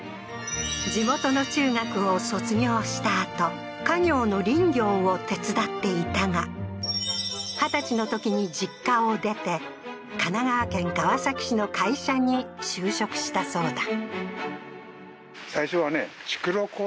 地元の中学を卒業したあと、家業の林業を手伝っていたが、二十歳の時に実家を出て、神奈川県川崎市の会社に就職したそうだ。